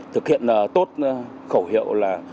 thực hiện tốt khẩu hiệu là